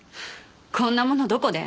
こんなものどこで？